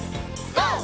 ＧＯ！